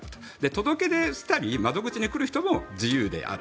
届け出したり窓口に来る人も自由である。